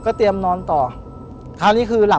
ผมก็ไม่เคยเห็นว่าคุณจะมาทำอะไรให้คุณหรือเปล่า